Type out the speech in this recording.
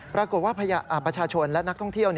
ปรากฏว่าประชาชนและนักท่องเที่ยว